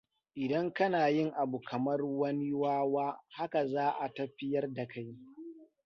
Idan kana yin abu kamar wani wawa, haka za a tafiyar da kai.